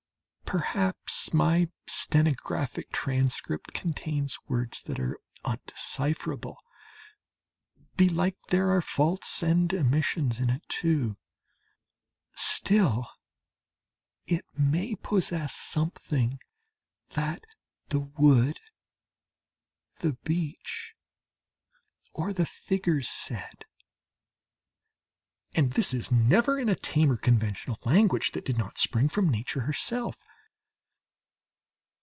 Perhaps my stenographic transcript contains words that are undecipherable; belike there are faults and omissions in it too; still it may possess something that the wood, the beach, or the figures said. And this is never in a tame or conventional language that did not spring from Nature herself.